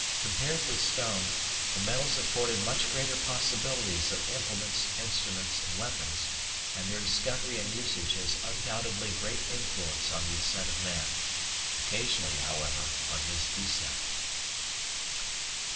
Compared with stone, the metals afforded much greater possibilities of implements, instruments, and weapons, and their discovery and usage had undoubtedly great influence on the Ascent of Man. Occasionally, however, on his descent.